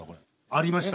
ありました。